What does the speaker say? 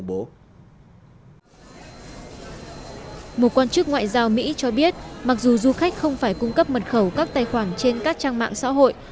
một quan chức ngoại giao mỹ cho biết mặc dù du khách không phải cung cấp mật khẩu các tài khoản trên các trang mạng xã hội